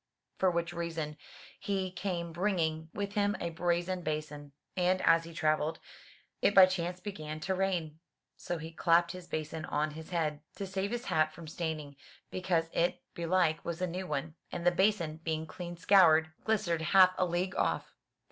For which reason he came bringing with him a brazen basin. And as he travelled, it by chance began to rain, so he clapped his basin on his head to save his hat from staining, because it belike was a new one. And the basin being clean scoured, glis tered half a league off.